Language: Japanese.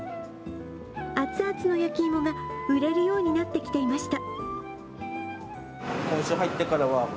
熱々の焼き芋が売れるようになってきていました。